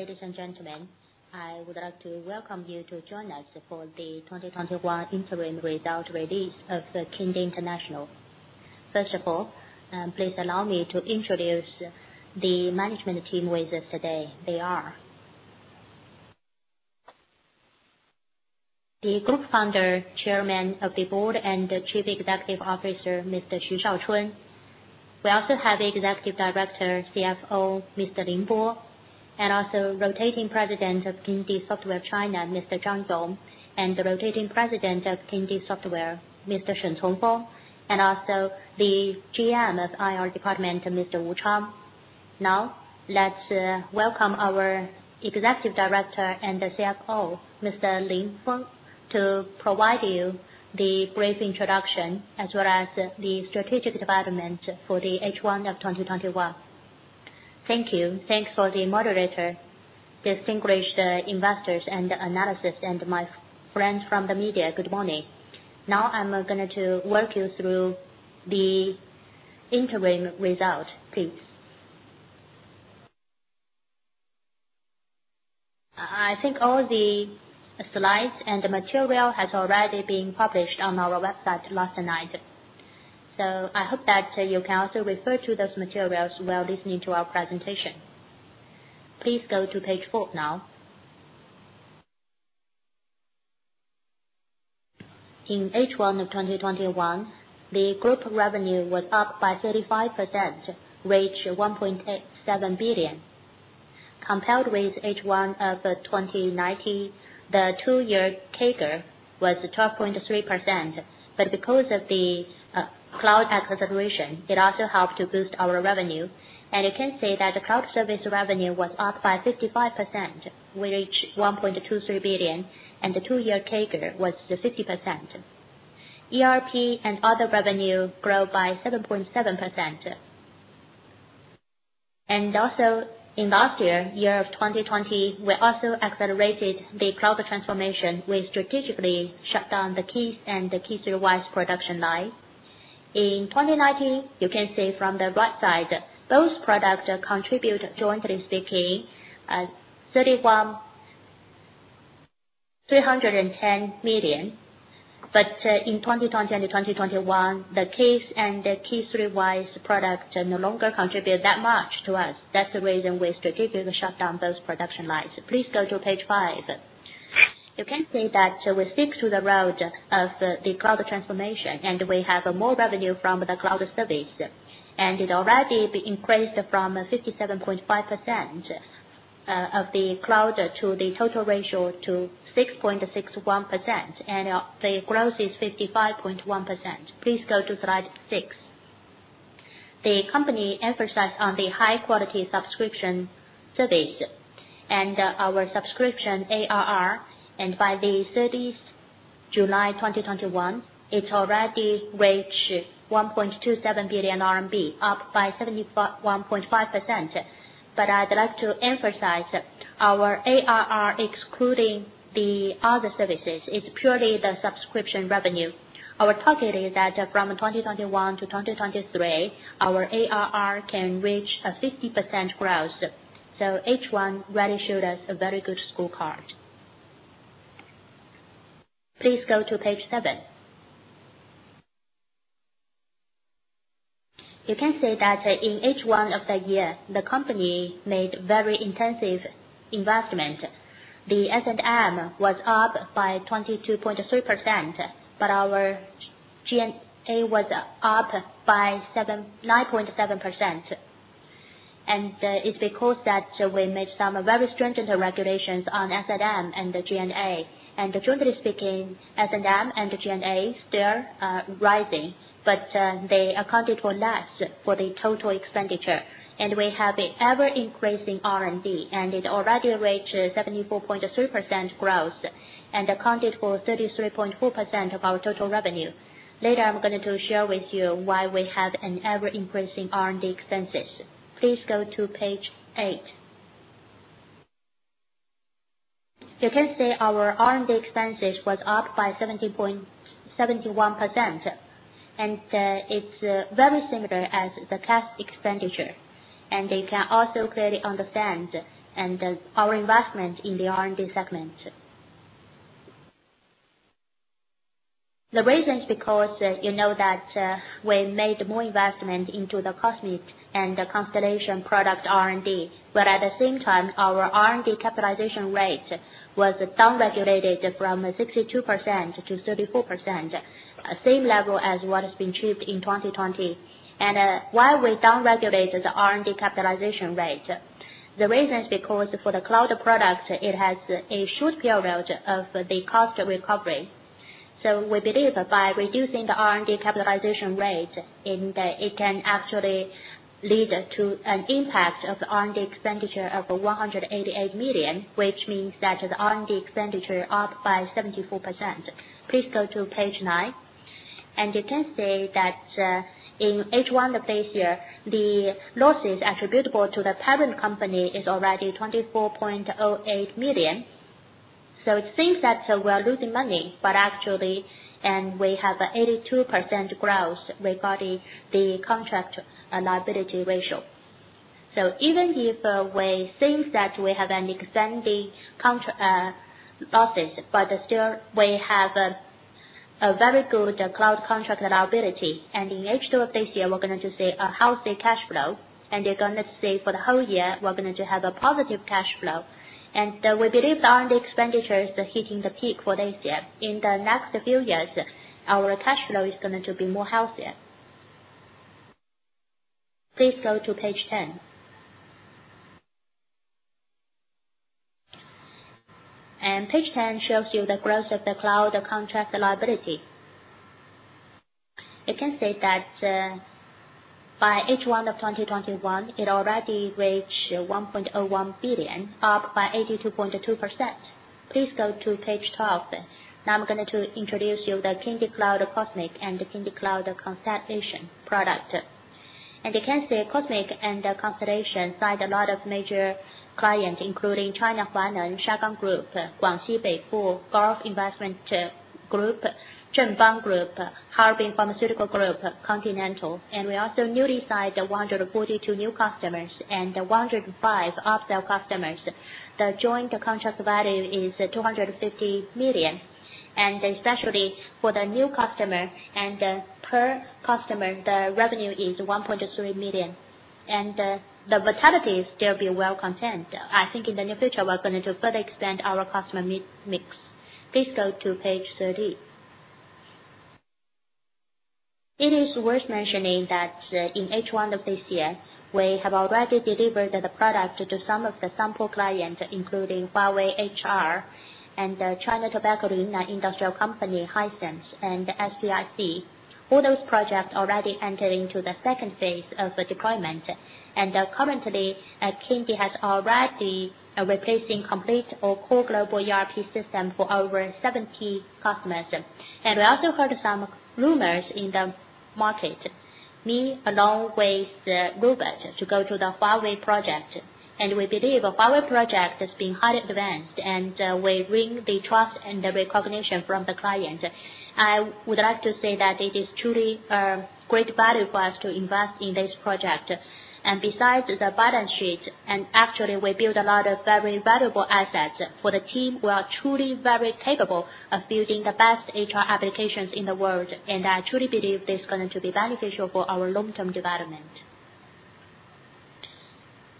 Ladies and gentlemen, I would like to welcome you to join us for the 2021 interim result release of the Kingdee International. First of all, please allow me to introduce the management team with us today. They are the Group Founder, Chairman of the Board, and Chief Executive Officer, Mr. Xu Shaochun. We also have the Executive Director, CFO, Mr. Lin Bo, and also Rotating President of Kingdee Software China, Mr. Zhang Yong, and the Rotating President of Kingdee Software, Mr. Shen Chongfeng, and also the GM of IR Department, Mr. Wu Chao. Let's welcome our Executive Director and the CFO, Mr. Lin Bo, to provide you the brief introduction as well as the strategic development for the H1 of 2021. Thank you. Thanks for the moderator, distinguished investors and analysts, and my friends from the media, good morning. Now, I'm going to walk you through the interim result, please. I think all the slides and the material has already been published on our website last night. I hope that you can also refer to those materials while listening to our presentation. Please go to page four now. In H1 of 2021, the group revenue was up by 35%, reach 1.7 billion. Compared with H1 of 2019, the two-year CAGR was 12.3%, because of the cloud acceleration, it also helped to boost our revenue. You can see that the cloud service revenue was up by 55%, which 1.23 billion, and the two-year CAGR was 50%. ERP and other revenue grow by 7.7%. Also in last year, 2020, we also accelerated the cloud transformation. We strategically shut down the K/3 and the K/3 WISE production line. In 2019, you can see from the right side, those products contribute, jointly speaking, 310 million. But in 2020 and 2021, the K/3 and the K/3 WISE product no longer contribute that much to us. That's the reason we strategically shut down those production lines. Please go to page five. You can see that we stick to the road of the cloud transformation, we have more revenue from the cloud service. It already increased from 57.5% of the cloud to the total ratio to 6.61%, the growth is 55.1%. Please go to slide six. The company emphasize on the high-quality subscription service. Our subscription ARR, and by the July 30th 2021, it already reached 1.27 billion RMB, up by 71.5%. I'd like to emphasize, our ARR, excluding the other services, is purely the subscription revenue. Our target is that from 2021 to 2023, our ARR can reach a 50% growth. H1 really showed us a very good scorecard. Please go to page seven. You can see that in H1 of the year, the company made very intensive investment. The S&M was up by 22.3%, but our G&A was up by 9.7%. It's because that we made some very stringent regulations on S&M and the G&A. Jointly speaking, S&M and the G&A still are rising, but they accounted for less for the total expenditure. We have an ever increasing R&D, and it already reached 74.3% growth and accounted for 33.4% of our total revenue. Later, I'm going to share with you why we have an ever-increasing R&D expenses. Please go to page eight. You can see our R&D expenses was up by 71%, and it's very similar as the past expenditure. You can also clearly understand our investment in the R&D segment. The reason is because, you know that we made more investment into the Cosmic and the Constellation product R&D. At the same time, our R&D capitalization rate was down-regulated from 62% to 34%, same level as what has been achieved in 2020. Why we down-regulate the R&D capitalization rate? The reason is because for the cloud product, it has a short period of the cost recovery. We believe by reducing the R&D capitalization rate, it can actually lead to an impact of R&D expenditure of 188 million, which means that the R&D expenditure up by 74%. Please go to page nine. You can see that in H1 of this year, the losses attributable to the parent company is already 24.08 million. So it seems that we are losing money, but actually, we have 82% growth regarding the contract liability ratio. Even if we think that we have an extending losses, but still we have a very good cloud contract liability. In H2 of this year, we're going to see a healthy cash flow, and you're going to see for the whole year, we're going to have a positive cash flow. We believe the R&D expenditure is hitting the peak for this year. In the next few years, our cash flow is going to be more healthier. Please go to page 10. Page 10 shows you the growth of the cloud contract liability. You can see that by H1 of 2021, it already reached 1.01 billion, up by 82.2%. Please go to page 12. I'm going to introduce you the Kingdee Cloud Cosmic and the Kingdee Cloud Constellation product. You can see Cosmic and the Constellation signed a lot of major clients including China Huainan, Shagang Group, Guangxi Beibu Gulf Investment Group, Zhengbang Group, Harbin Pharmaceutical Group, Continental. We also newly signed 142 new customers and 105 upsell customers. The joint contract value is 250 million, and especially for the new customer and per customer, the revenue is 1.3 million. The vitality is still be well content. I think in the near future we're going to further expand our customer mix. Please go to page 13. It is worth mentioning that in H1 of this year, we have already delivered the product to some of the sample clients, including Huawei HR and China Tobacco Yunnan Industrial Co., Ltd., Hisense and SPIC. All those projects already entered into the second phase of deployment. Currently, Kingdee has already replacing complete or core global ERP system for over 70 customers. We also heard some rumors in the market, me along with Robert to go to the Huawei project. We believe Huawei project has been highly advanced, and we win the trust and the recognition from the client. I would like to say that it is truly great value for us to invest in this project. Besides the balance sheet, actually we build a lot of very valuable assets for the team who are truly very capable of building the best HR applications in the world. I truly believe this is going to be beneficial for our long-term development.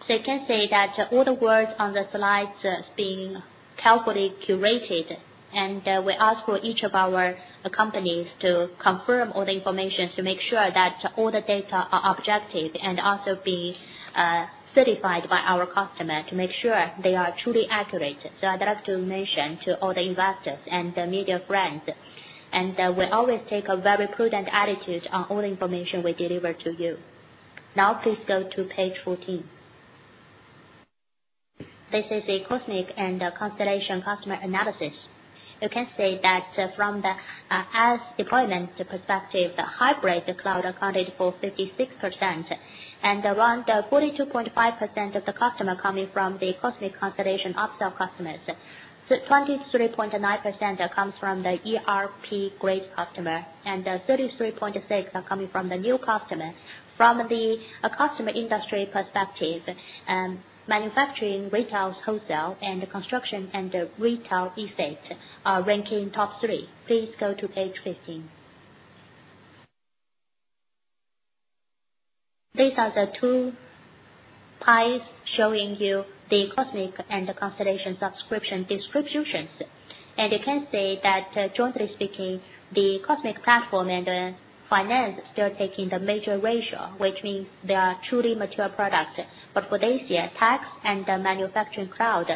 You can see that all the words on the slides has been carefully curated, and we ask for each of our companies to confirm all the information to make sure that all the data are objective and also be certified by our customer to make sure they are truly accurate. I'd like to mention to all the investors and the media friends, and we always take a very prudent attitude on all information we deliver to you. Now please go to page 14. This is a Cosmic and a Constellation customer analysis. You can see that from the SaaS deployments perspective, the hybrid cloud accounted for 56%, and around 42.5% of the customer coming from the Cosmic, Constellation upsell customers. 23.9% comes from the ERP grade customer, and 33.6% are coming from the new customer. From the customer industry perspective, manufacturing, retail, wholesale, and construction and real estate are ranking top three. Please go to page 15. These are the two pies showing you the Cosmic and the Constellation subscription distributions. You can see that jointly speaking, the Cosmic platform and finance still taking the major ratio, which means they are truly mature products. For this year, tax and the manufacturing cloud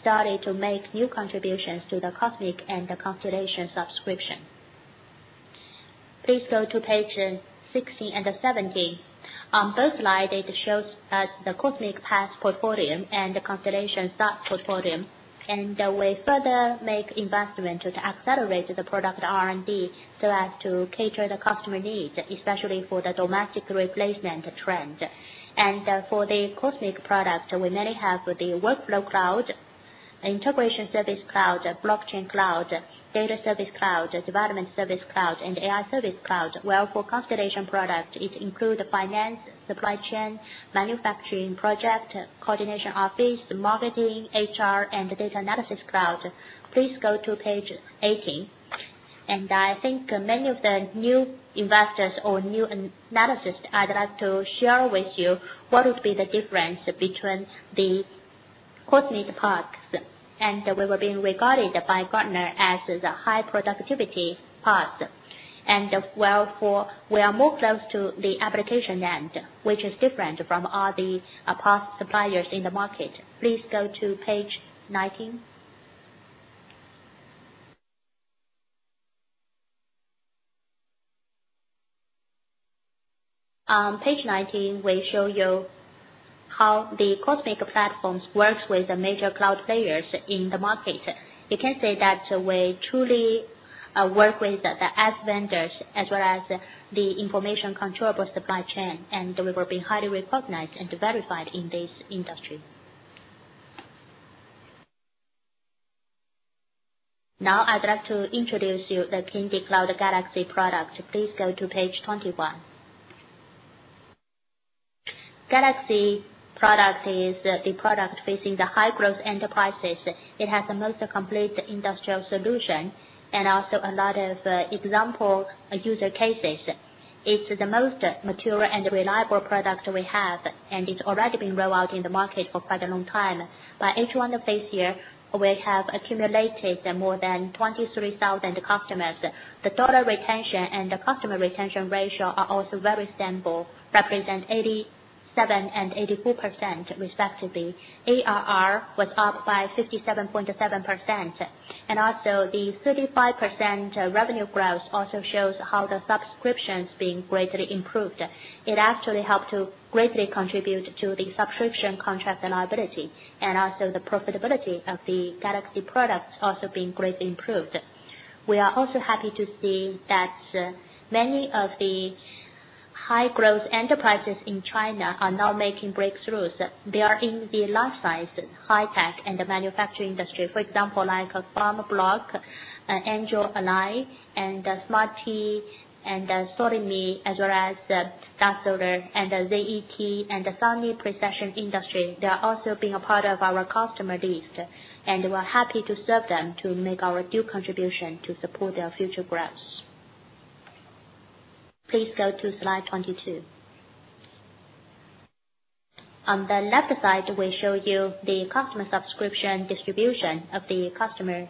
started to make new contributions to the Cosmic and the Constellation subscription. Please go to page 16 and 17. On both slides, it shows us the Cosmic PaaS portfolio and the Constellation SaaS portfolio. We further make investment to accelerate the product R&D so as to cater the customer needs, especially for the domestic replacement trend. For the Cosmic product, we mainly have the workflow cloud, integration service cloud, blockchain cloud, data service cloud, development service cloud, and AI service cloud. While for Constellation product, it include finance, supply chain, manufacturing project, coordination office, marketing, HR, and data analysis cloud. Please go to page 18. I think many of the new investors or new analysts, I'd like to share with you what would be the difference between the Cosmic products. We were being regarded by Gartner as the high productivity PaaS. We are more close to the application end, which is different from all the PaaS suppliers in the market. Please go to page 19. On page 19, we show you how the Cosmic platforms works with the major cloud players in the market. You can see that we truly work with the app vendors as well as the information controllable supply chain, and we will be highly recognized and verified in this industry. Now I'd like to introduce you the Kingdee Cloud Galaxy product. Please go to page 21. Galaxy product is the product facing the high-growth enterprises. It has the most complete industrial solution and also a lot of example user cases. It's the most mature and reliable product we have, and it's already been rolled out in the market for quite a long time. By H1 of this year, we have accumulated more than 23,000 customers. The dollar retention and the customer retention ratio are also very stable, represent 87% and 84% respectively. ARR was up by 57.7%. The 35% revenue growth also shows how the subscription is being greatly improved. It actually helped to greatly contribute to the subscription contract reliability, and also the profitability of the Galaxy product also being greatly improved. We are also happy to see that many of the high-growth enterprises in China are now making breakthroughs. They are in the life science, high tech, and the manufacturing industry. For example, like PharmaBlock, Angelalign and Smartee, and SolidMe, as well as Star Solder, and ZTE, and the semi-precision industry. They are also being a part of our customer list, and we're happy to serve them to make our due contribution to support their future growth. Please go to slide 22. On the left side, we show you the customer subscription distribution of the customer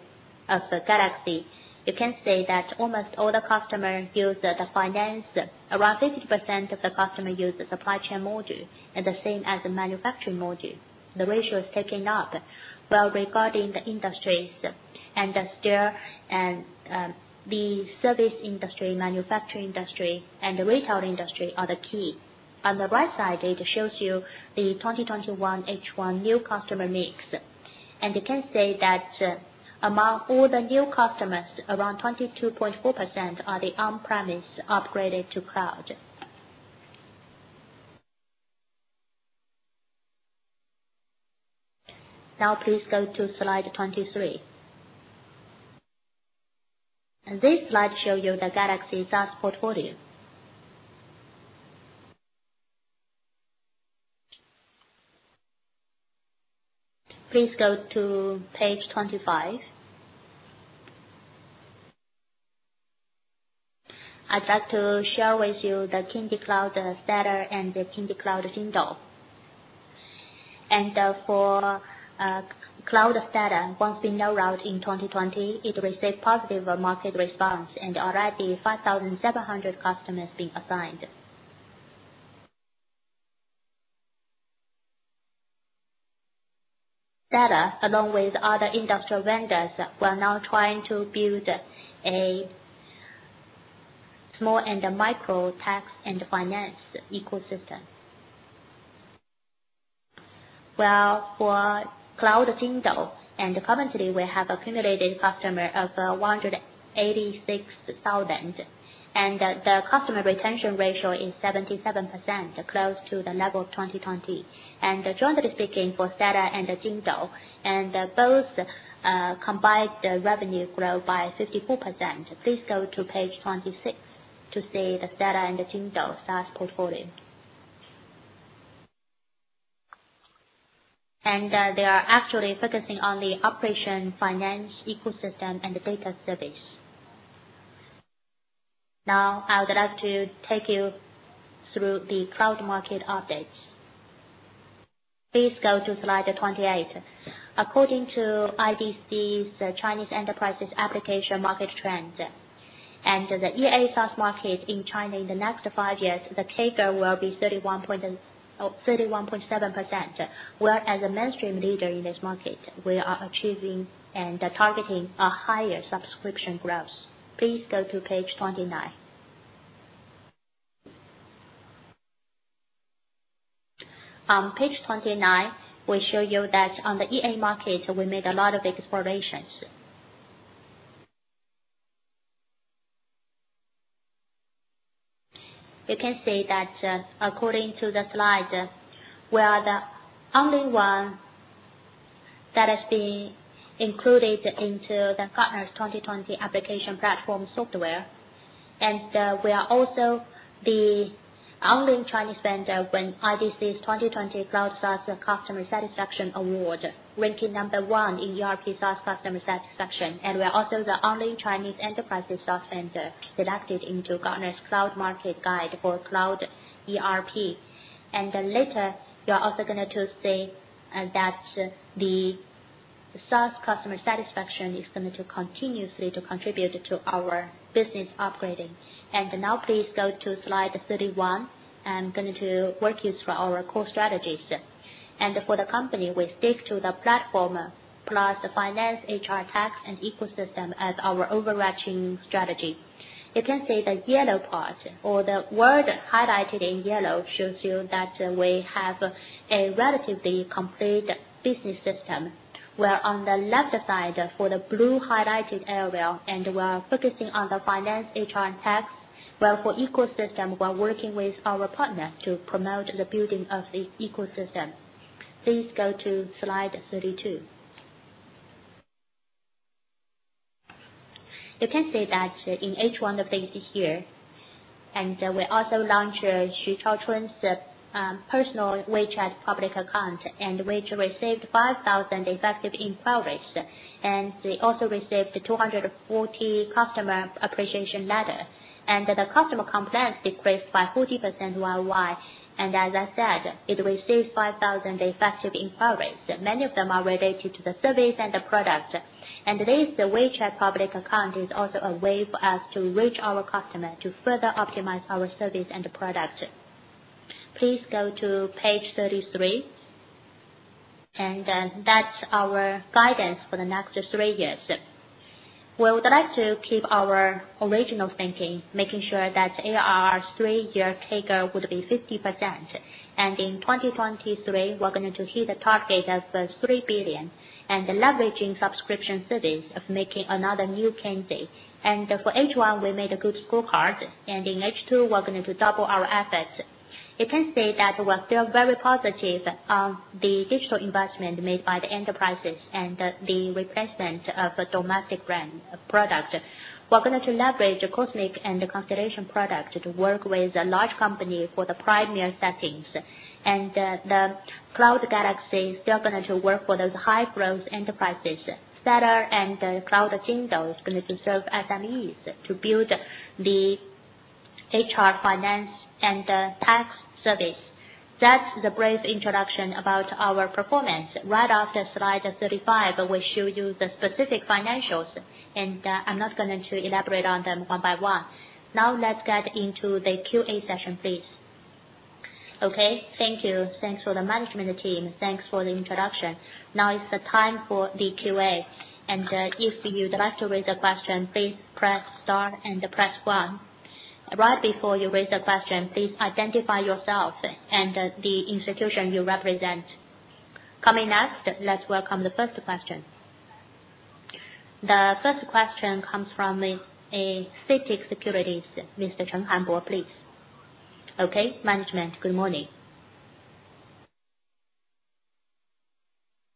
of Galaxy. You can see that almost all the customers use the finance. Around 50% of the customers use the supply chain module and the same as the manufacturing module. The ratio is ticking up. Regarding the industries, the service industry, manufacturing industry, and the retail industry are the key. On the right side, it shows you the 2021 H1 new customer mix. You can see that among all the new customers, around 22.4% are the on-premise upgraded to cloud. Now please go to slide 23. This slide shows you the Galaxy SaaS portfolio. Please go to page 25. I'd like to share with you the Kingdee Cloud Stellar and the Kingdee Cloud Jingdou. For Cloud Stellar, once we rolled out in 2020, it received positive market response and already 5,700 customers being assigned. Stellar, along with other industrial vendors, were now trying to build a small and micro tax and finance ecosystem. Well, for Jingdou Cloud, currently we have accumulated customer of 186,000, the customer retention ratio is 77%, close to the level of 2020. Generally speaking, for Stellar and the Jingdou, and both combined revenue grow by 54%. Please go to page 26 to see the Stellar and the Jingdou SaaS portfolio. They are actually focusing on the operation, finance, ecosystem, and data service. Now, I would like to take you through the cloud market updates. Please go to slide 28. According to IDC's Chinese Enterprises Application Market Trend, the EA SaaS market in China in the next five years, the CAGR will be 31.7%, where as a mainstream leader in this market, we are achieving and targeting a higher subscription growth. Please go to page 29. On page 29, we show you that on the EA market, we made a lot of explorations. You can see that according to the slide, we are the only one that has been included into the Gartner's 2020 Application Platform Software. We are also the only Chinese vendor win IDC's 2020 Cloud SaaS Customer Satisfaction Award, ranking number one in ERP SaaS customer satisfaction. We are also the only Chinese enterprise SaaS vendor selected into Gartner's Cloud Market Guide for cloud ERP. Later, you are also going to see that the SaaS customer satisfaction is going to continuously contribute to our business upgrading. And now please go to slide 31. I'm going to walk you through our core strategies. And for the company, we stick to the platform plus finance, HR, tax, and ecosystem as our overarching strategy. You can see the yellow part, or the word highlighted in yellow shows you that we have a relatively complete business system, where on the left side, for the blue highlighted area, we are focusing on the finance, HR, and tax. While for ecosystem, we're working with our partners to promote the building of the ecosystem. Please go to slide 32. You can see that in H1 of this year, we also launched Xu Shaochun's personal WeChat public account, which received 5,000 effective inquiries, we also received 240 customer appreciation letters. The customer complaints decreased by 40% YoY. As I said, it received 5,000 effective inquiries. Many of them are related to the service and the product. This WeChat public account is also a way for us to reach our customer to further optimize our service and the product. Please go to page 33. That's our guidance for the next three years. We would like to keep our original thinking, making sure that ARR three-year CAGR would be 50%. In 2023, we're going to hit the target of 3 billion, leveraging subscription service of making another new Kingdee. And for H1, we made a good scorecard, and the H2, we're going to double our efforts. You can see that we're still very positive on the digital investment made by the enterprises and the replacement of domestic brand product. We're going to leverage the COSMIC and the Constellation product to work with a large company for the premier settings. The Cloud Galaxy is still going to work for those high-growth enterprises. Stellar and the Cloud Jingdou is going to serve SMEs to build the HR, finance, and tax service. That's the brief introduction about our performance. Right after slide 35, we show you the specific financials. I'm not going to elaborate on them one by one. Now let's get into the QA session, please. Okay, thank you. Thanks for the management team. Thanks for the introduction. Now is the time for the QA. If you'd like to raise a question, please press star and press one. Right before you raise a question, please identify yourself and the institution you represent. Coming next, let's welcome the first question. The first question comes from CITIC Securities. Mr. Chen Hanbo, please. Okay, management, good morning.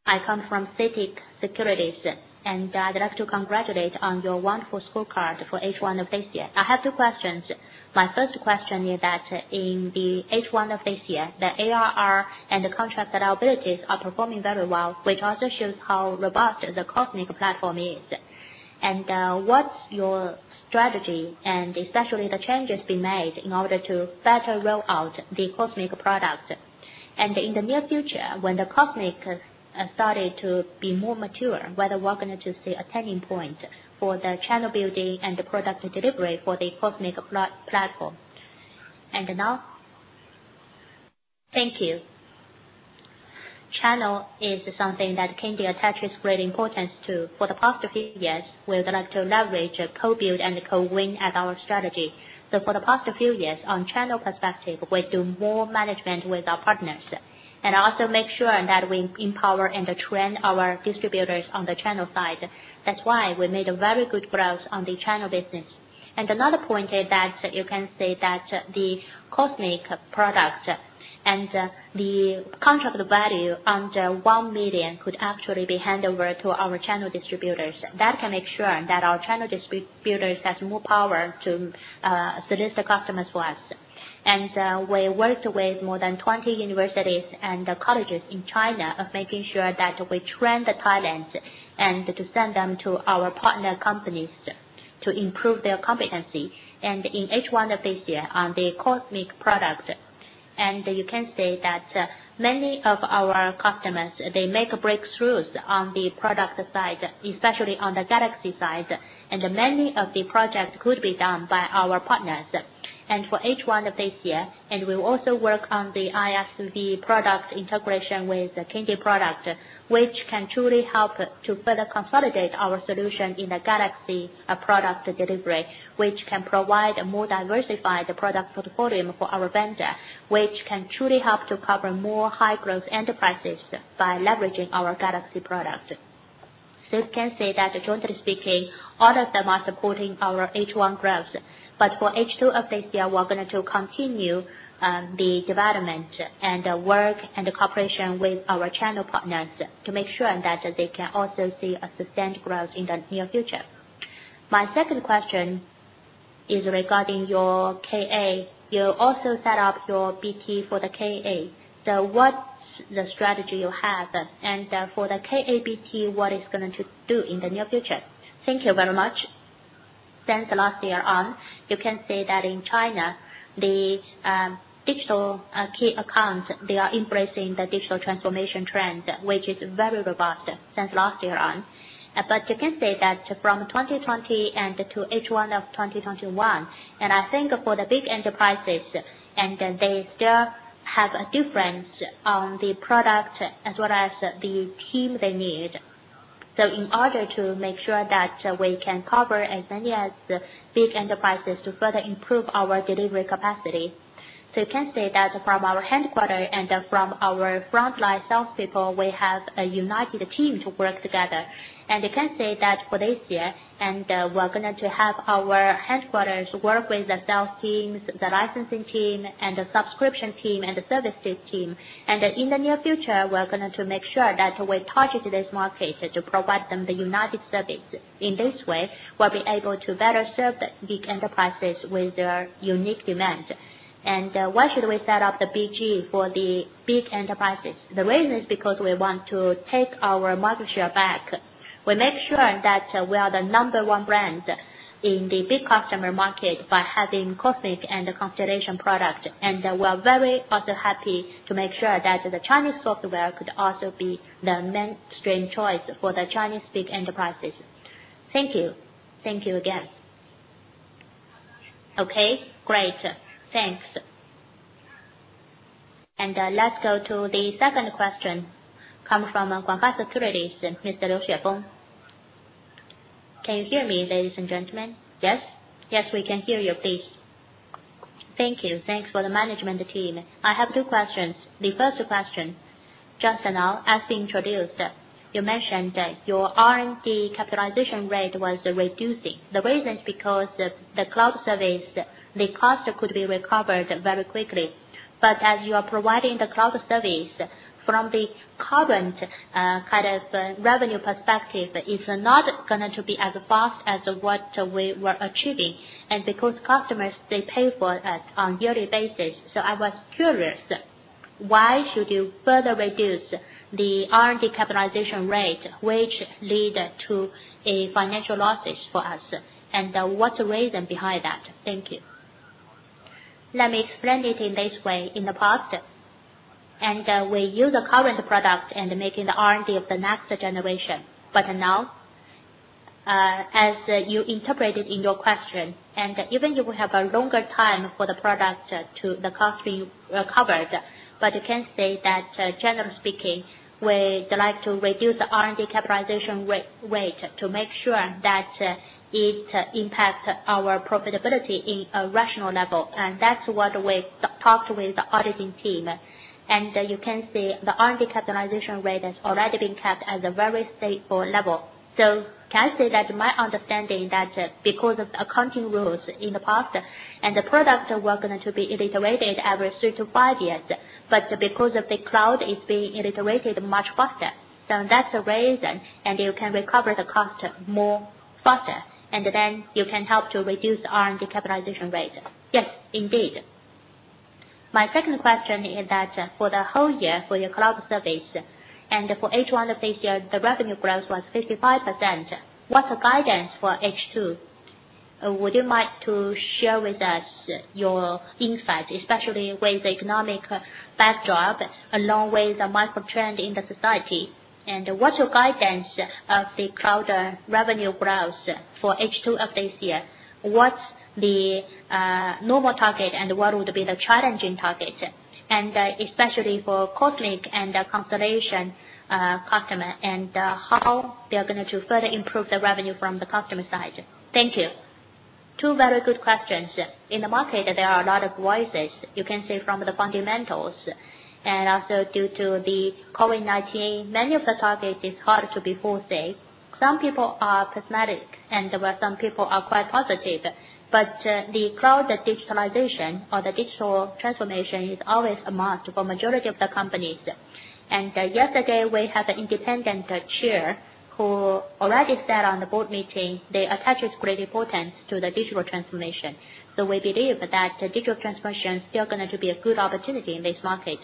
I come from CITIC Securities. I'd like to congratulate on your wonderful scorecard for H1 of this year. I have two questions. My first question is that in the H1 of this year, the ARR and the contract reliabilities are performing very well, which also shows how robust the Cosmic platform is. What's your strategy and especially the changes being made in order to better roll out the Cosmic product? And in the near future, when the Cosmic has started to be more mature, whether we're going to see a turning point for the channel building and the product delivery for the Cosmic platform. End of note. Thank you. Channel is something that Kingdee attaches great importance to. For the past few years, we would like to leverage co-build and co-win as our strategy. For the past few years, on channel perspective, we do more management with our partners. Also make sure that we empower and train our distributors on the channel side. That's why we made a very good growth on the channel business. And another point is that you can see that the Cosmic product and the contract value under 1 million could actually be handed over to our channel distributors. That can make sure that our channel distributors have more power to solicit customers for us. We worked with more than 20 universities and colleges in China of making sure that we train the talent and to send them to our partner companies to improve their competency. In H1 of this year, on the Cosmic product, and you can see that many of our customers, they make breakthroughs on the product side, especially on the Galaxy side, and many of the projects could be done by our partners. For H1 of this year, we also work on the ISV product integration with the Kingdee product, which can truly help to further consolidate our solution in the Galaxy product delivery, which can provide a more diversified product portfolio for our vendor, which can truly help to cover more high-growth enterprises by leveraging our Galaxy product. You can see that jointly speaking, all of them are supporting our H1 growth. For H2 of this year, we're going to continue the development and the work and the cooperation with our channel partners to make sure that they can also see a sustained growth in the near future. My second question is regarding your KA. You also set up your BG for the KA. What's the strategy you have? For the KABG, what it's going to do in the near future? Thank you very much. Since last year on, you can see that in China, the digital key accounts, they are embracing the digital transformation trend, which is very robust since last year on. You can see that from 2020 and to H1 of 2021, and I think for the big enterprises, and they still have a difference on the product as well as the team they need. In order to make sure that we can cover as many as big enterprises to further improve our delivery capacity. You can say that from our headquarter and from our frontline salespeople, we have a united team to work together. You can say that for this year, and we're going to have our headquarters work with the sales teams, the licensing team, and the subscription team, and the services team. In the near future, we are going to make sure that we target this market to provide them the united service. In this way, we'll be able to better serve big enterprises with their unique demands. Why should we set up the BG for the big enterprises? The reason is because we want to take our market share back. We make sure that we are the number one brand in the big customer market by having Cosmic and Constellation product. We're very also happy to make sure that the Chinese software could also be the mainstream choice for the Chinese big enterprises. Thank you. Thank you again. Okay. Great. Thanks. Let's go to the second question. Comes from Guangfa Securities, Mr. Liu Xuefeng. Can you hear me, ladies and gentlemen? Yes. Yes, we can hear you please. Thank you. Thanks for the management team. I have two questions. The first question, just now, as introduced, you mentioned that your R&D capitalization rate was reducing. The reason is the cloud service, the cost could be recovered very quickly. As you are providing the cloud service, from the current revenue perspective, it's not going to be as fast as what we were achieving. Customers, they pay for it on yearly basis. I was curious, why should you further reduce the R&D capitalization rate, which lead to a financial losses for us? What's the reason behind that? Thank you. Let me explain it in this way. In the past, we use the current product in making the R&D of the next generation. Now, as you interpreted in your question, even if we have a longer time for the product to the cost being recovered. You can say that generally speaking, we'd like to reduce the R&D capitalization rate to make sure that it impacts our profitability in a rational level, and that's what we talked with the auditing team. You can see the R&D capitalization rate has already been kept at a very stable level. Can I say that my understanding that because of accounting rules in the past, and the products were going to be iterated every three to five years, but because of the cloud, it's being iterated much faster. That's the reason, and you can recover the cost more faster, and then you can help to reduce R&D capitalization rate. Yes, indeed. My second question is that, for the whole year, for your cloud service, and for H1 of this year, the revenue growth was 55%. What's the guidance for H2? Would you like to share with us your insight, especially with the economic backdrop, along with the microtrend in the society? What's your guidance of the cloud revenue growth for H2 of this year? What's the normal target and what would be the challenging target? Especially for COSMIC and Constellation customer, and how they are going to further improve the revenue from the customer side. Thank you. Two very good questions. In the market, there are a lot of voices. You can say from the fundamentals, and also due to the COVID-19, many of the targets is hard to be foreseen. Some people are pessimistic, and there were some people are quite positive. The cloud digitalization or the digital transformation is always a must for majority of the companies. Yesterday, we had an independent chair who already said on the board meeting, they attach great importance to the digital transformation. We believe that the digital transformation is still going to be a good opportunity in this market.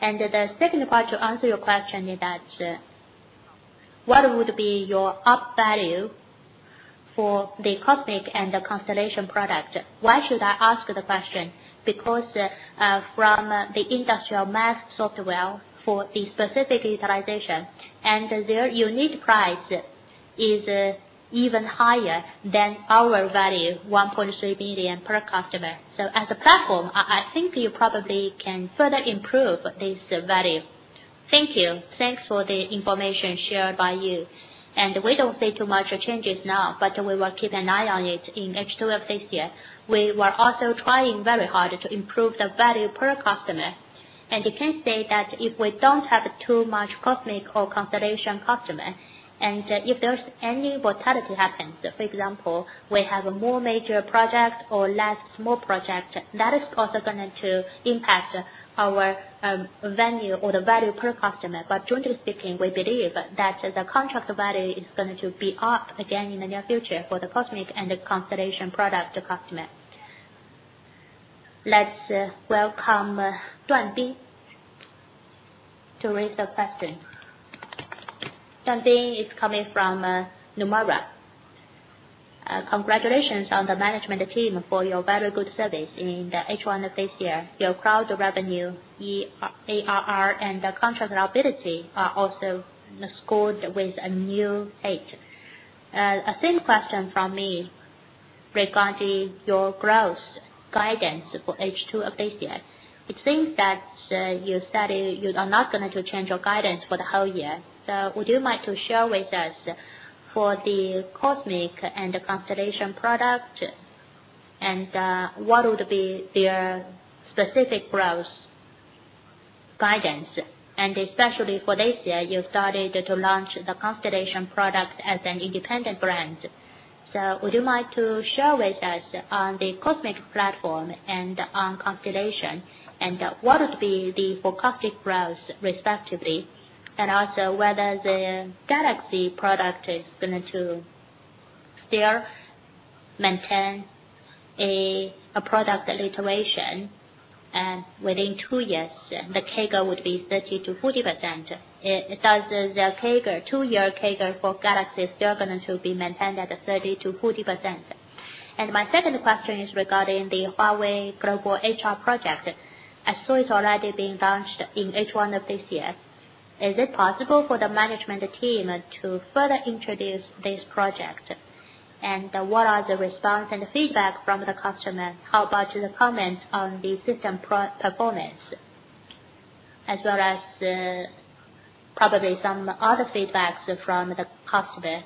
The second part to answer your question is that, what would be your up value for the COSMIC and the Constellation product? Why should I ask the question? From the industrial math software for the specific utilization, and their unique price is even higher than our value, 1.3 million per customer. As a platform, I think you probably can further improve this value. Thank you. Thanks for the information shared by you. We don't see too much changes now, but we will keep an eye on it in H2 of this year. We were also trying very hard to improve the value per customer. You can say that if we don't have too much COSMIC or Constellation customer, if there's any volatility happens, for example, we have a more major project or less small project, that is also going to impact our revenue or the value per customer. Generally speaking, we believe that the contract value is going to be up again in the near future for the COSMIC and the Constellation product customer. Let's welcome Bing Duan to raise a question. Bing Duan is coming from Nomura. Congratulations on the management team for your very good service in the H1 of this year. Your cloud revenue, ARR, and the contract liability are also scored with a new height. A same question from me regarding your growth guidance for H2 of this year. It seems that you are not going to change your guidance for the whole year. Would you like to share with us for the COSMIC and the Constellation product, what would be their specific growth guidance? Especially for this year, you started to launch the Constellation product as an independent brand. Would you like to share with us on the COSMIC platform and on Constellation, what would be the forecasted growth respectively, also whether the Galaxy product is going to still maintain a product iteration, within two years, the CAGR would be 30%-40%? Does the two-year CAGR for Galaxy still going to be maintained at 30%-40%? My second question is regarding the Huawei Global HR project. I saw it's already being launched in H1 of this year. Is it possible for the management team to further introduce this project? What are the response and feedback from the customer? How about the comment on the system performance, as well as probably some other feedbacks from the customer?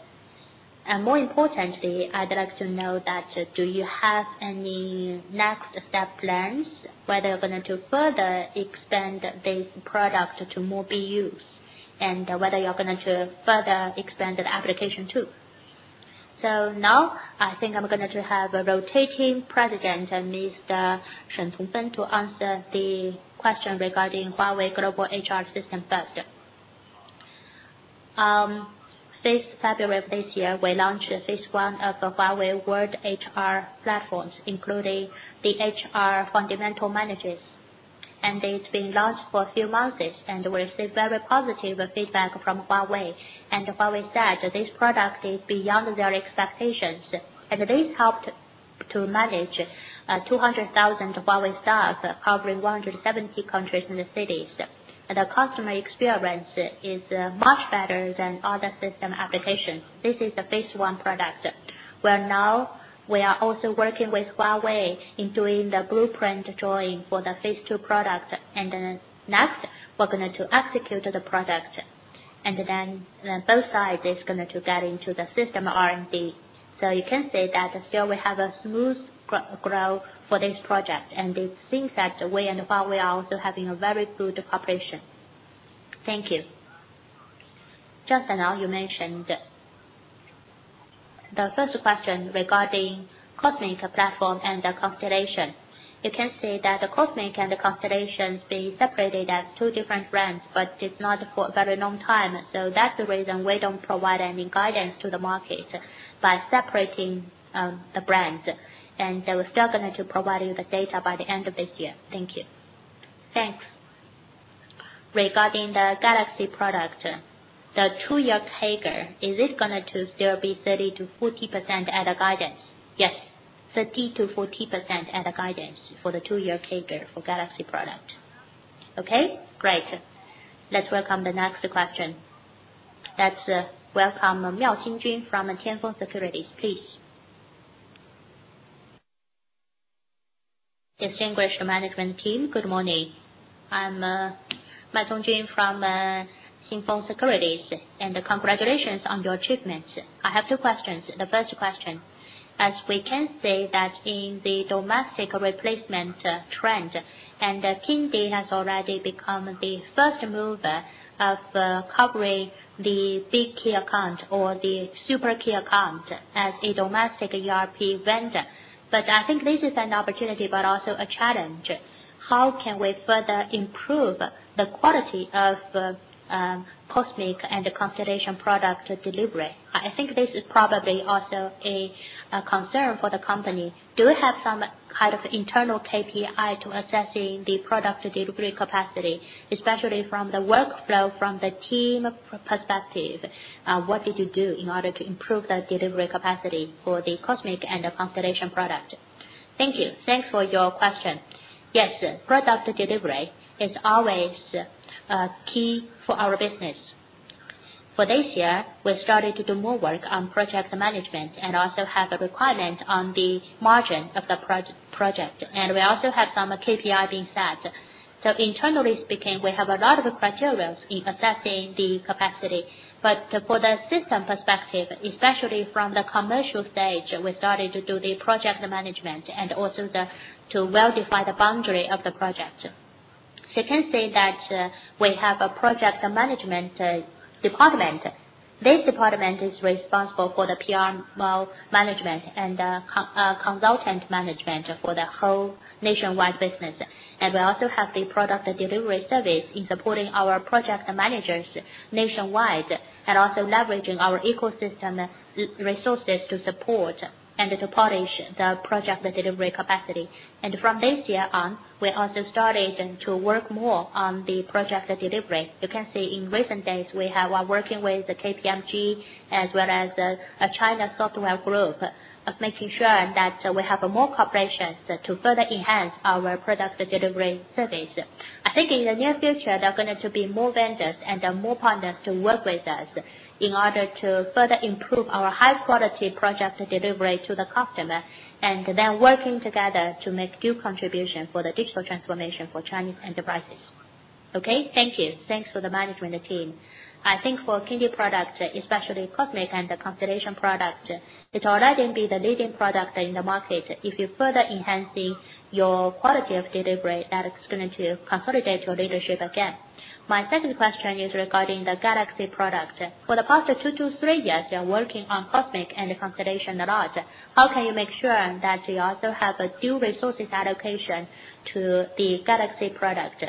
More importantly, I'd like to know that do you have any next step plans whether you're going to further extend this product to more BUs, and whether you're going to further expand the application too? Now, I think I'm going to have a Rotating President, Mr. Shen Chongfeng, to answer the question regarding Huawei Global HR System first. This February of this year, we launched Phase 1 of the Huawei World HR platforms, including the HR fundamental managers. It's been launched for a few months, and we received very positive feedback from Huawei. Huawei said this product is beyond their expectations, and this helped to manage 200,000 Huawei staff covering 170 countries and cities. The customer experience is much better than other system applications. This is the Phase 1 product. Well now, we are also working with Huawei in doing the blueprint drawing for the Phase 2 product. Next, we're going to execute the product. Both sides is going to get into the system R&D. You can see that still we have a smooth growth for this project, and it seems that we and Huawei are also having a very good cooperation. Thank you. Just now you mentioned the first question regarding COSMIC platform and the Constellation. You can see that the COSMIC and the Constellation being separated as two different brands, but it's not for a very long time. That's the reason we don't provide any guidance to the market by separating the brands. We're still going to provide you the data by the end of this year. Thank you. Thanks. Regarding the Galaxy product, the two-year CAGR, is this going to still be 30%-40% as a guidance? Yes. 30%-40% as a guidance for the two-year CAGR for Galaxy product. Okay, great. Let's welcome the next question. Let's welcome Miao Xinjun from Tianfeng Securities, please. Distinguished management team, good morning. I'm Miao Xinjun from Tianfeng Securities. Congratulations on your achievements. I have two questions. The first question. As we can see that in the domestic replacement trend, Kingdee has already become the first mover of covering the big key account or the super key account as a domestic ERP vendor. I think this is an opportunity, but also a challenge. How can we further improve the quality of COSMIC and the Constellation product delivery? I think this is probably also a concern for the company. Do you have some kind of internal KPI to assessing the product delivery capacity, especially from the workflow from the team perspective? What did you do in order to improve the delivery capacity for the Cosmic and the Constellation product? Thank you. Thanks for your question. Yes, product delivery is always key for our business. For this year, we started to do more work on project management and also have a requirement on the margin of the project. We also have some KPI being set. Internally speaking, we have a lot of criteria in assessing the capacity. For the system perspective, especially from the commercial stage, we started to do the project management and also to well-define the boundary of the project. You can see that we have a project management department. This department is responsible for the PR management and consultant management for the whole nationwide business. We also have the product delivery service in supporting our project managers nationwide and also leveraging our ecosystem resources to support and to polish the project delivery capacity. From this year on, we also started to work more on the project delivery. You can see in recent days, we are working with KPMG as well as China Software Group of making sure that we have more cooperation to further enhance our product delivery service. I think in the near future, there are going to be more vendors and more partners to work with us in order to further improve our high-quality project delivery to the customer, and then working together to make due contribution for the digital transformation for Chinese enterprises. Okay, thank you. Thanks for the management team. I think for Kingdee products, especially Cosmic and the Constellation product, it will already be the leading product in the market. If you're further enhancing your quality of delivery, that is going to consolidate your leadership again. My second question is regarding the Galaxy product. For the past two to three years, you are working on Cosmic and Constellation a lot. How can you make sure that you also have a due resources allocation to the Galaxy product?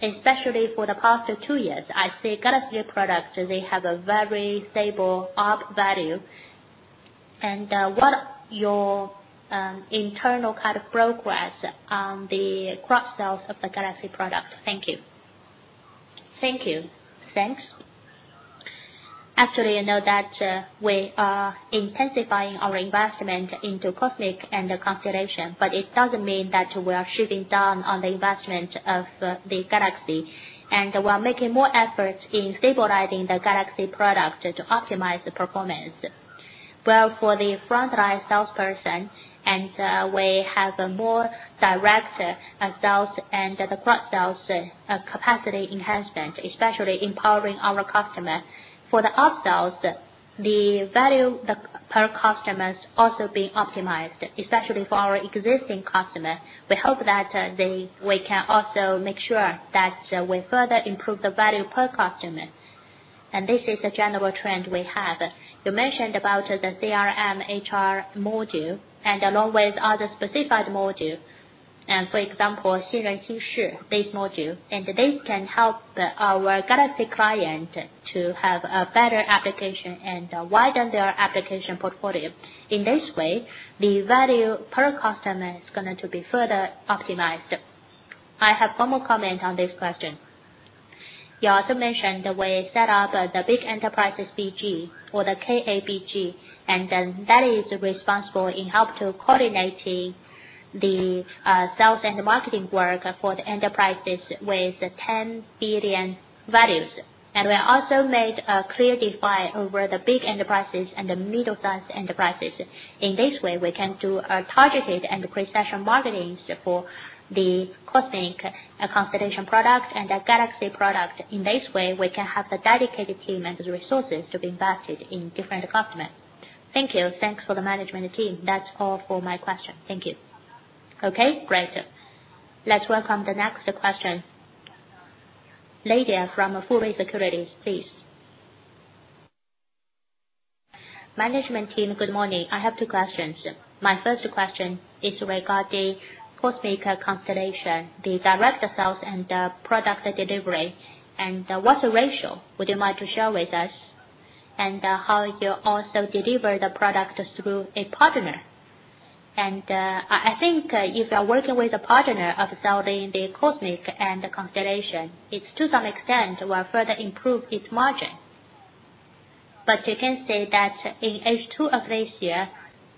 Especially for the past two years, I see Galaxy product, they have a very stable up value. What are your internal progress on the cross-sells of the Galaxy product? Thank you. Thank you. Thanks. Actually, you know that we are intensifying our investment into Cosmic and Constellation, but it doesn't mean that we are shifting down on the investment of the Galaxy. We are making more efforts in stabilizing the Galaxy product to optimize the performance. Well, for the frontline salesperson, and we have a more direct sales and the cross-sells capacity enhancement, especially empowering our customer. For the upsells, the value per customer is also being optimized, especially for our existing customer. We hope that we can also make sure that we further improve the value per customer. This is a general trend we have. You mentioned about the CRM HR module and along with other specified module, for example, this module. This can help our Galaxy client to have a better application and widen their application portfolio. In this way, the value per customer is going to be further optimized. I have one more comment on this question. You also mentioned the way set up the big enterprises BG or the KABG, then that is responsible in help to coordinating the sales and marketing work for the enterprises with 10 billion values. We also made a clear divide over the big enterprises and the middle-sized enterprises. In this way, we can do a targeted and precision marketing for the Cosmic, Constellation product, and the Galaxy product. In this way, we can have a dedicated team and resources to be invested in different customers. Thank you. Thanks for the management team. That's all for my question. Thank you. Okay, great. Let's welcome the next question. Lydia from Furui Securities, please. Management team, good morning. I have two questions. My first question is regarding Cosmic, Constellation, the direct sales and product delivery. What's the ratio? Would you mind to share with us? How you also deliver the product through a partner? I think if you are working with a partner of selling the Cosmic and Constellation, it to some extent will further improve its margin. You can say that in H2 of this year,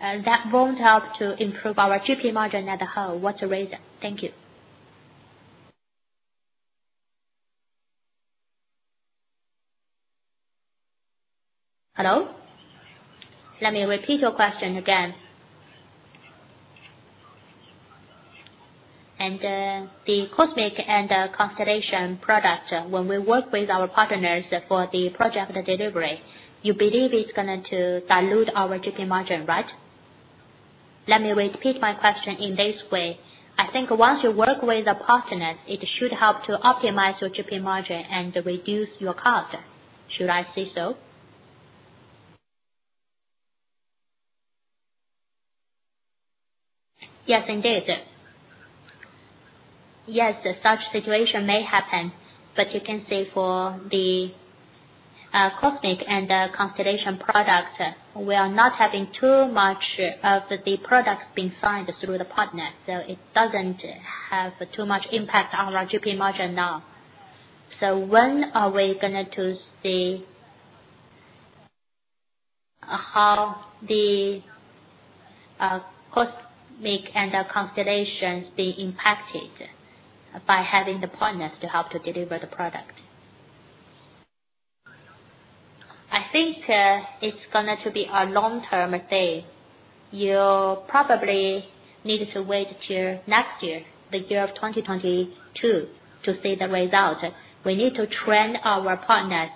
that won't help to improve our GP margin at whole. What's the reason? Thank you. Hello? Let me repeat your question again. The Cosmic and Constellation product, when we work with our partners for the project delivery, you believe it's going to dilute our GP margin, right? Let me repeat my question in this way. I think once you work with the partners, it should help to optimize your GP margin and reduce your cost. Should I say so? Yes, indeed. Yes, such situation may happen, but you can say for the Cosmic and Constellation product, we are not having too much of the product being signed through the partner. It doesn't have too much impact on our GP margin now. When are we going to see how the Cosmic and Constellation being impacted by having the partners to help to deliver the product? I think it's going to be a long-term thing. You probably need to wait till next year, the year of 2022 to see the result. We need to train our partners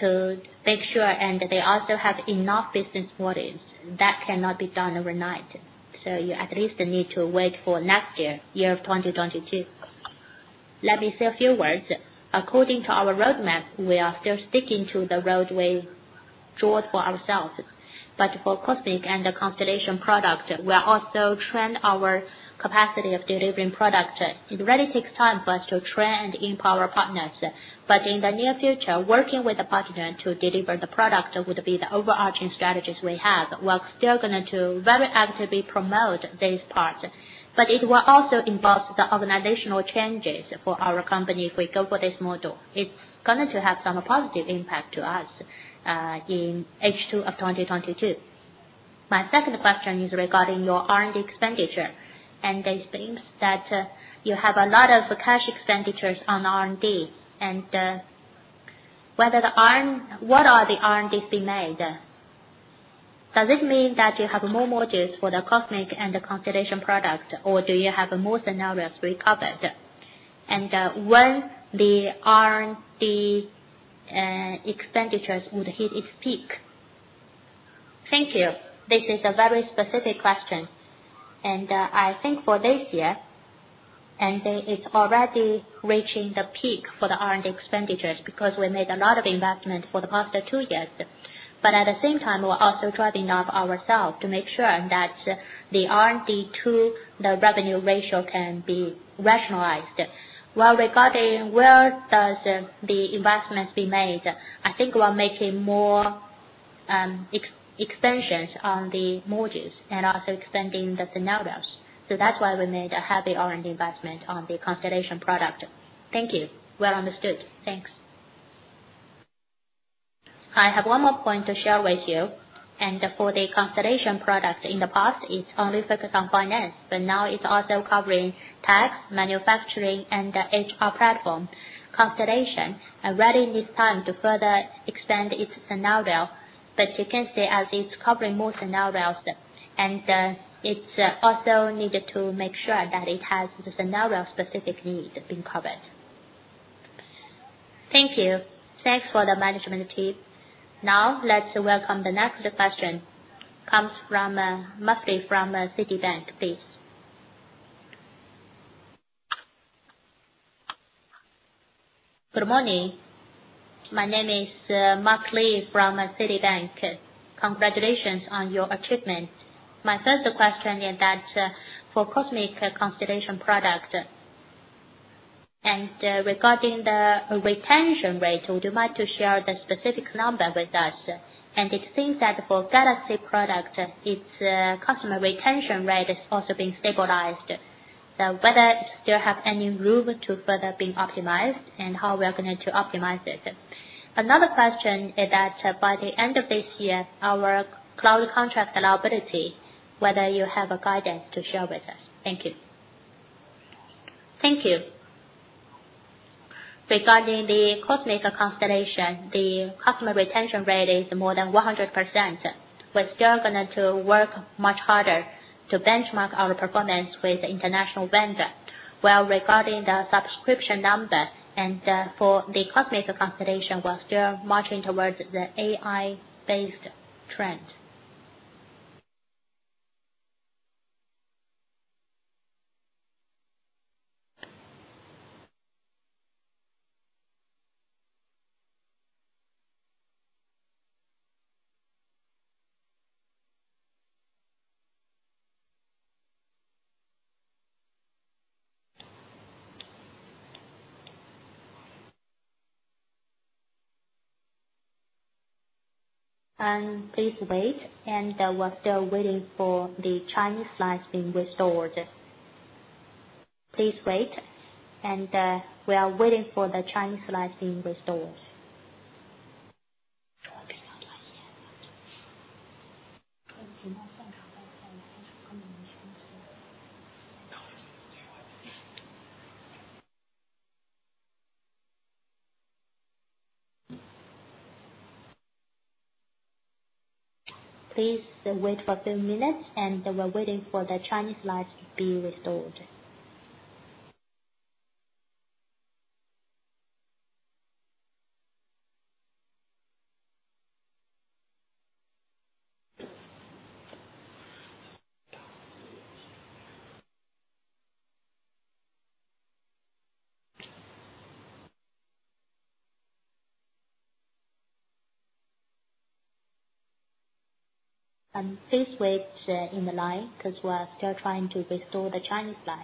to make sure, and they also have enough business volumes. That cannot be done overnight. You at least need to wait for next year, year of 2022. Let me say a few words. According to our roadmap, we are still sticking to the roadway drawn for ourselves. For Cosmic and Constellation product, we are also train our capacity of delivering product. It really takes time for us to train and empower partners. In the near future, working with the partner to deliver the product would be the overarching strategies we have. We are still going to very actively promote this part. It will also involve the organizational changes for our company if we go for this model. It's going to have some positive impact to us, in H2 of 2022. My second question is regarding your R&D expenditure. It seems that you have a lot of cash expenditures on R&D. What are the R&D spend made? Does this mean that you have more modules for the Cosmic and the Constellation product, or do you have more scenarios covered? When the R&D expenditures would hit its peak? Thank you. This is a very specific question. I think for this year, it's already reaching the peak for the R&D expenditures, because we made a lot of investment for the past two years. At the same time, we're also driving up ourselves to make sure that the R&D to the revenue ratio can be rationalized. While regarding where does the investments be made, I think we're making more expansions on the modules and also extending the scenarios. That's why we made a heavy R&D investment on the Constellation product. Thank you. Well understood. Thanks. I have one more point to share with you. For the Constellation product, in the past, it's only focused on finance, but now it's also covering tax, manufacturing, and the HR platform. Constellation is ready this time to further extend its scenario. You can see as it's covering more scenarios, and it's also needed to make sure that it has the scenario-specific need being covered. Thank you. Thanks for the management team. Let's welcome the next question. Comes from Mark Li from Citibank, please. Good morning. My name is Mark Li from Citibank. Congratulations on your achievement. My first question is that for Cosmic, Constellation product, and regarding the retention rate, would you mind to share the specific number with us? It seems that for Galaxy product, its customer retention rate is also being stabilized. Whether it still have any room to further being optimized, and how we are going to optimize it? Another question is that by the end of this year, our cloud contract liability, whether you have a guidance to share with us. Thank you. Thank you. Regarding the Cosmic and Constellation, the customer retention rate is more than 100%. We're still going to work much harder to benchmark our performance with the international vendor. Regarding the subscription number and for the Cosmic and Constellation, we're still marching towards the AI-based trend. Please wait, we're still waiting for the Chinese line being restored. Please wait, we are waiting for the Chinese line being restored. Please wait for a few minutes, we're waiting for the Chinese line to be restored. Please wait in the line, because we are still trying to restore the Chinese line.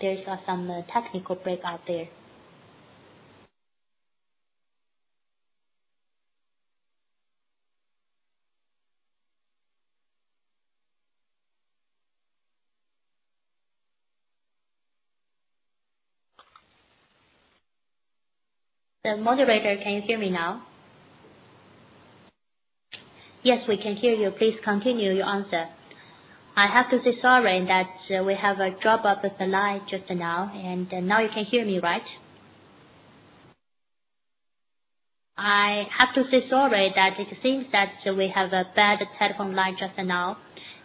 There are some technical breakdown there. The moderator, can you hear me now? Yes, we can hear you. Please continue your answer. I have to say sorry that we have a drop-off with the line just now. Now you can hear me, right? I have to say sorry that it seems that we have a bad telephone line just now.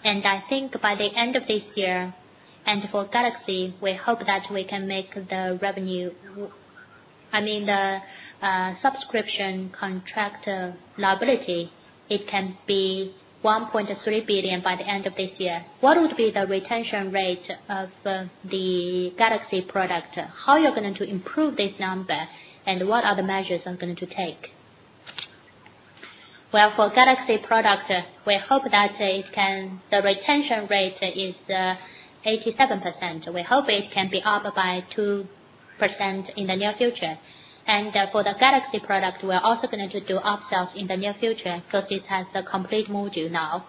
I think by the end of this year, for Galaxy, we hope that we can make the revenue, I mean, the subscription contract liability, it can be 1.3 billion by the end of this year. What would be the retention rate of the Galaxy product? How you're going to improve this number, and what are the measures you're going to take? Well, for Galaxy product, we hope that the retention rate is 87%. We hope it can be up by 2% in the near future. For the Galaxy product, we're also going to do upsells in the near future, because it has a complete module now.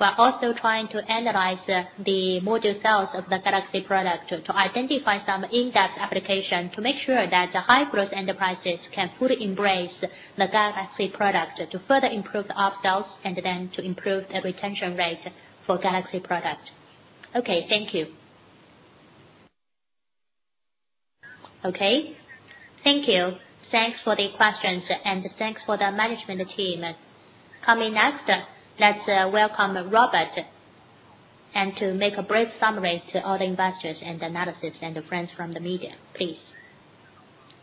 We're also trying to analyze the module sales of the Galaxy product to identify some in-depth application to make sure that the high-growth enterprises can fully embrace the Galaxy product to further improve the upsells and then to improve the retention rate for Galaxy product. Okay, thank you. Okay. Thank you. Thanks for the questions, and thanks for the management team. Coming next, let's welcome Robert, and to make a brief summary to all investors and analysts, and friends from the media, please.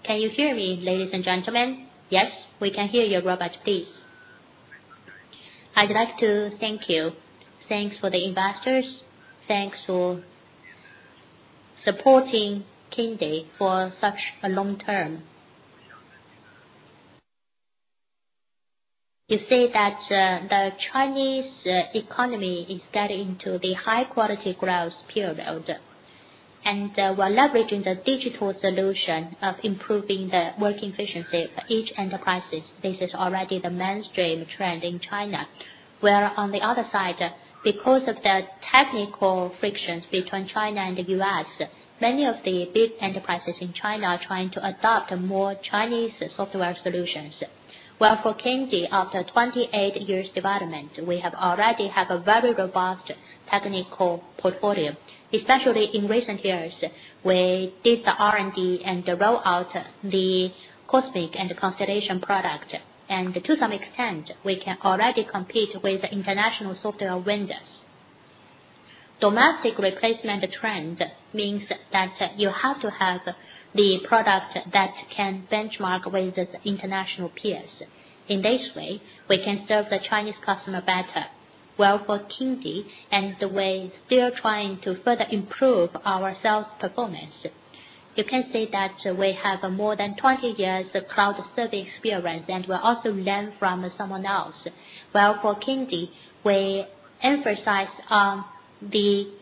Can you hear me, ladies and gentlemen? Yes, we can hear you, Robert Xu. Please. I'd like to thank you. Thanks for the investors. Thanks for supporting Kingdee for such a long term. You see that the Chinese economy is getting into the high-quality growth period. We're leveraging the digital solution of improving the work efficiency for each enterprise. This is already the mainstream trend in China. Where on the other side, because of the technical frictions between China and the U.S., many of the big enterprises in China are trying to adopt more Chinese software solutions. Well, for Kingdee, after 28 years development, we already have a very robust technical portfolio. Especially in recent years, we did the R&D, and roll out the Cosmic and the Constellation product. To some extent, we can already compete with international software vendors. Domestic replacement trend means that you have to have the product that can benchmark with the international peers. In this way, we can serve the Chinese customer better. Well, for Kingdee, we're still trying to further improve our sales performance. You can see that we have more than 20 years of cloud service experience, and we also learn from someone else. Well, for Kingdee, we emphasize on the product in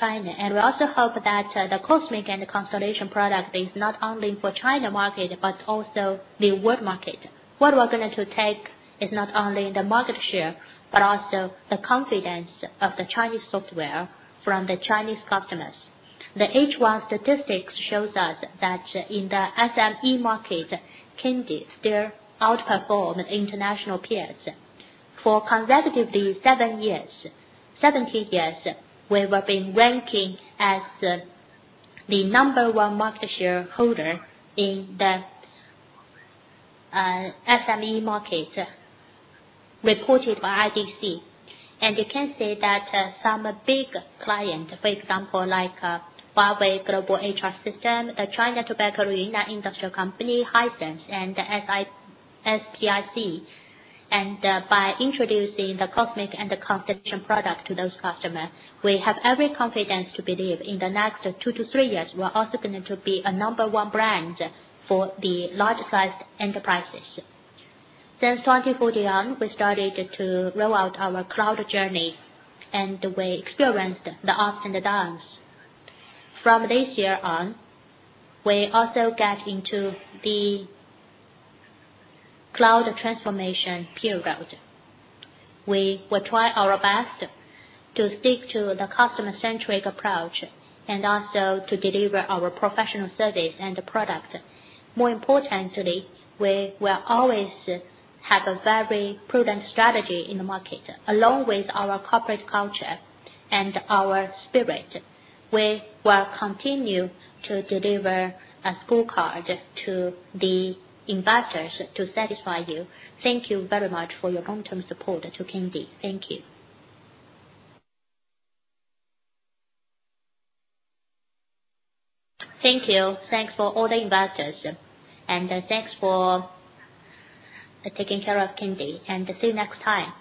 China. We also hope that the Cosmic and the Constellation product is not only for China market, but also the world market. What we're going to take is not only the market share, but also the confidence of the Chinese software from the Chinese customers. The H1 statistics shows us that in the SME market, Kingdee still outperform international peers. For consecutively 17 years, we were been ranking as the number one market share holder in the SME market reported by IDC. You can see that some big client, for example, Huawei Global HR System, China Tobacco Yunnan Industrial Co., Ltd., Hisense, and SPIC. By introducing the Cosmic and the Constellation product to those customers, we have every confidence to believe in the next two to three years, we're also going to be a number one brand for the large-sized enterprises. Since 2014 on, we started to roll out our cloud journey, and we experienced the ups and the downs. From this year on, we also get into the cloud transformation period. We will try our best to stick to the customer-centric approach, and also to deliver our professional service and product. More importantly, we will always have a very prudent strategy in the market, along with our corporate culture and our spirit. We will continue to deliver a scorecard to the investors to satisfy you. Thank you very much for your long-term support to Kingdee. Thank you. Thank you. Thanks for all the investors, and thanks for taking care of Kingdee, and see you next time.